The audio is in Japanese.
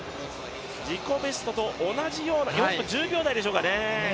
自己ベストと同じような、４分１０秒台でしょうね。